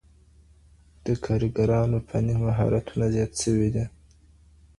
د کارګرانو فني مهارتونه زيات سوي دي.